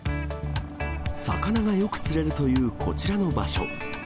魚がよく釣れるというこちらの場所。